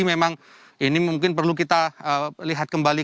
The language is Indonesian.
memang ini mungkin perlu kita lihat kembali